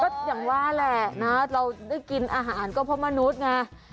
ก็อย่างว่าแหละนะเราได้กินอาหารก็เพราะมนุษย์ไง